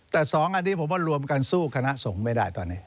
แต่สองอันนี้ผมว่ารวมกันสู้คณะสงฆ์ไม่ได้ตอนนี้